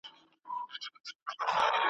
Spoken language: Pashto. تیارې به د قرنونو وي له لمره تښتېدلي `